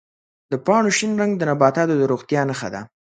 د پاڼو شین رنګ د نباتاتو د روغتیا نښه ده.